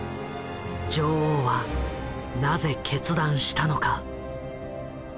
女王はなぜ決断したのか？